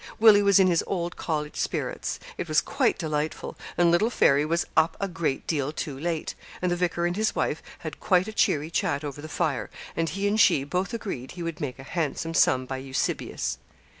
Willie was in his old college spirits. It was quite delightful; and little Fairy was up a great deal too late; and the vicar and his wife had quite a cheery chat over the fire, and he and she both agreed he would make a handsome sum by Eusebius.